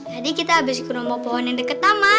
tadi kita abis itu nombor pohon yang deket taman